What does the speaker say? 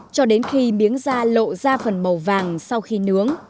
cho đến khi miếng gia lộ ra phần màu vàng sau khi nướng